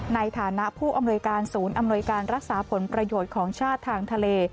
ในฐานะผู้อำนวยการศูนย์อำนวยการรักษาผลประโยชน์ของชาติทางทะเล